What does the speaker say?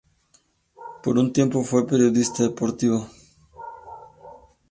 Por un tiempo fue periodista deportiva.